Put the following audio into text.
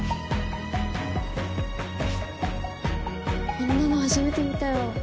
こんなの初めて見たよ。